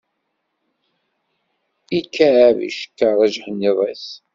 Ikεeb icekkeṛ ajeḥniḍ-is.